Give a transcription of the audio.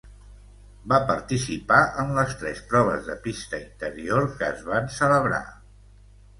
Va participar en les tres proves de pista interior que es van celebrar.